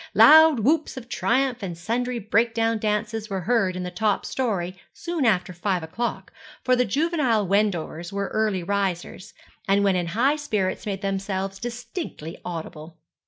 Loud whoops of triumph and sundry breakdown dances were heard in the top story soon after five o'clock, for the juvenile Wendovers were early risers, and when in high spirits made themselves distinctly audible.